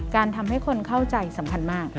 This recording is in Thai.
ทำให้คนเข้าใจสำคัญมาก